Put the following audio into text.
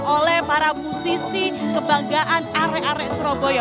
oleh para musisi kebanggaan arek arek surabaya